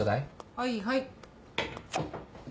はいはい。